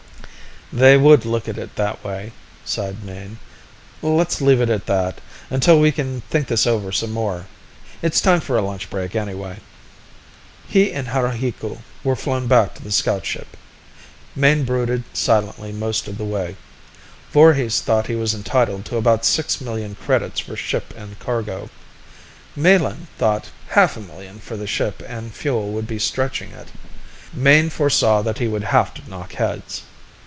"They would look at it that way," sighed Mayne. "Let's leave it at that, until we can think this over some more. It's time for a lunch break anyway." He and Haruhiku were flown back to the scout ship. Mayne brooded silently most of the way. Voorhis thought he was entitled to about six million credits for ship and cargo; Melin thought half a million for the ship and fuel would be stretching it. Mayne foresaw that he would have to knock heads.